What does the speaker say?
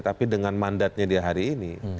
tapi dengan mandatnya dia hari ini